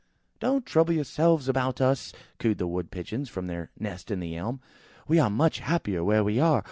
"Don't trouble yourselves about us," cooed the Wood pigeons from their nest in the elm. "We are much happier where we are.